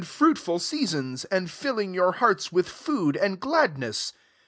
225 fruitful seasons, and filling your hearts with food and gladness."